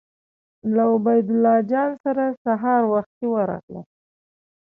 له عبیدالله جان سره سهار وختي ورغلم.